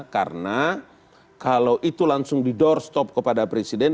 karena kalau itu langsung di doorstop kepada presiden